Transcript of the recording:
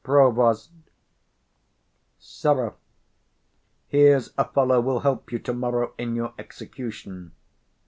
Prov. Sirrah, here's a fellow will help you to morrow in your execution.